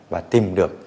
và tìm được